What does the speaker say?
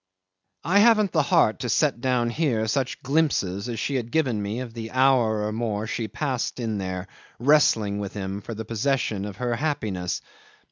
'I haven't the heart to set down here such glimpses as she had given me of the hour or more she passed in there wrestling with him for the possession of her happiness.